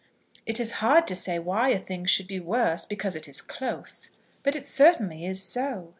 It is hard to say why a thing should be worse because it is close, but it certainly is so.